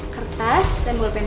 kertas dan pen